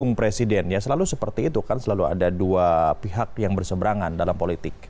pendukung presiden ya selalu seperti itu kan selalu ada dua pihak yang berseberangan dalam politik